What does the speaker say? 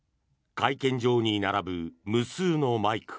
会見場に並ぶ無数のマイク。